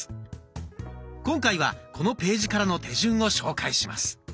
今回はこのページからの手順を紹介します。